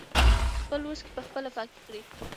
خپلې اوښکې په خپله پاکې کړئ.